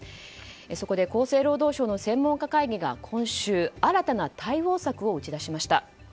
そこで厚生労働省の専門家会議が今週、新たな対応策を打ち出しました。